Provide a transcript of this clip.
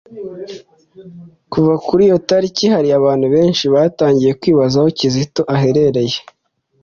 Kuva kuri iyo talike hari abantu benshi batangiye kwibaza aho Kizito aherereye,